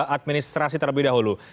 administrasi terlebih dahulu